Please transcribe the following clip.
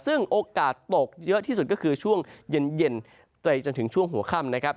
ซึ่งโอกาสตกเยอะที่สุดก็คือช่วงเย็นไปจนถึงช่วงหัวค่ำนะครับ